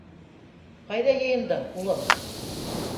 Ҡайҙа йыйындың, улым?